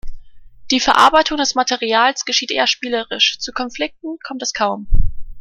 Die Verarbeitung des Materials geschieht eher spielerisch, zu Konflikten kommt es kaum.